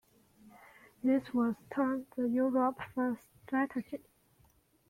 This was termed the Europe first strategy.